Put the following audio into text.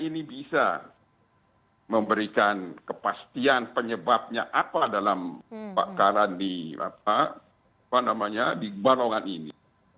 ini bisa memberikan kepastian penyebabnya apa dalam pakaran di barongan ini